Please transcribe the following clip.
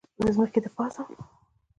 د ځمکې دپاسه